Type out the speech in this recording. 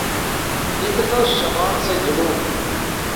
جتنا شمال سے جنوب۔